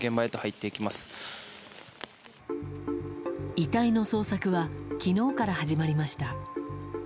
遺体の捜索は昨日から始まりました。